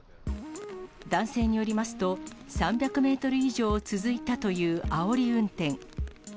男性によりますと、３００メートル以上続いたというあおり運転。